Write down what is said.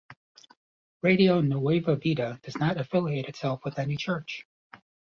Radio Nueva Vida does not affiliate itself with any church.